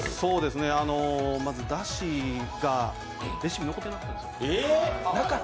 まずだしレシピが残ってなかったんです。